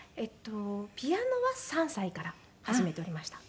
ピアノは３歳から始めておりました。